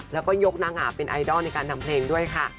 แล้วก็ยกนางอาบเป็นไอดอลในการทำเพลงด้วยค่ะ